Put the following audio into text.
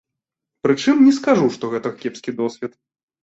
Прычым, не скажу, што гэта кепскі досвед.